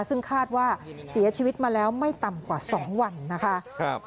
ซึ่งคาดว่าเสียชีวิตมาแล้วไม่ต่ำกว่า๒วันนะคะ